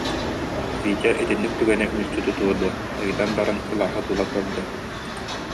Витя итинник түгэни мүлчү тутуо дуо, ыйытан баран кылааһы тула көрдө